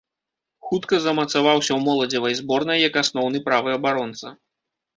Хутка замацаваўся ў моладзевай зборнай як асноўны правы абаронца.